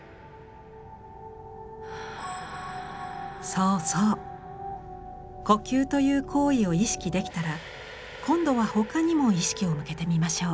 そうそう呼吸という行為を意識できたら今度はほかにも意識を向けてみましょう。